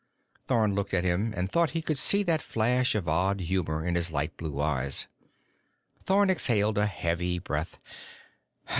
Thorn looked at him and thought he could see that flash of odd humor in his light blue eyes. Thorn exhaled a heavy breath.